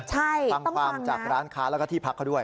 ใช่ต้องฟังนะทังความจากร้านค้าและที่พักเขาด้วย